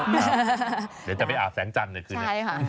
เดี๋ยวจะไปอาบแสงจันทร์ในคืนนี้